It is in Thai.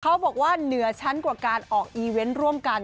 เขาบอกว่าเหนือชั้นกว่าการออกอีเวนต์ร่วมกัน